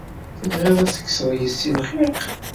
tebɣiḍ ad tekseḍ yes-i lxiq.